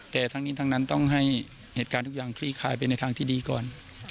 แต่ทั้งนี้ทั้งนั้นต้องให้เหตุการณ์ทุกอย่างคลี่คลายไปในทางที่ดีก่อน